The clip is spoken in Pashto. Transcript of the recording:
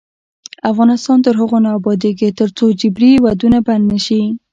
افغانستان تر هغو نه ابادیږي، ترڅو جبري ودونه بند نشي.